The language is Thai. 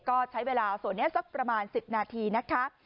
ก็ใช้เวลาส่วนนี้สักประมาณ๑๐นาทีนะคะ